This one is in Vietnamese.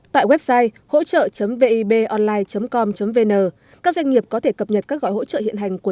tại website hỗ trợ vip online com vn các doanh nghiệp có thể cập nhật các gọi hỗ trợ hiện hành của